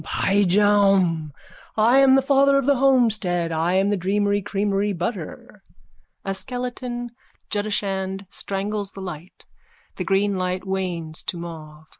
Pyjaum! I am the light of the homestead! I am the dreamery creamery butter. _(A skeleton judashand strangles the light. The green light wanes to mauve.